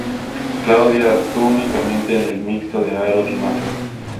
Claudia actuó únicamente en el mixto de aros y mazas.